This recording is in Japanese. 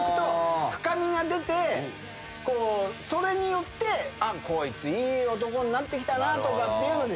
それによってこいついい男になってきたなとかっていうので。